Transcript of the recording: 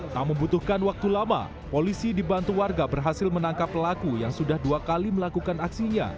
tak membutuhkan waktu lama polisi dibantu warga berhasil menangkap pelaku yang sudah dua kali melakukan aksinya